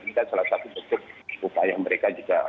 ini kan salah satu bentuk upaya mereka juga